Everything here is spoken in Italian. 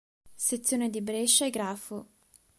Sezione di Brescia e Grafo.